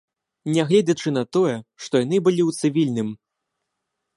Нягледзячы на тое, што яны былі ў цывільным.